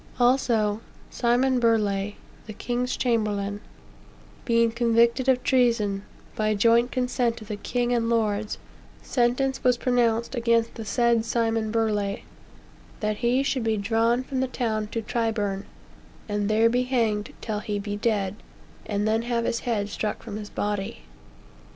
Also, "Simon Burleigh, the king's chamberlain," being convicted of treason, "by joint consent of the king and the lords, sentence was pronounced against the said Simon Burleigh, that he should be drawn from the town to Tyburn, and there be hanged till he be dead, and then have his head struck from his body."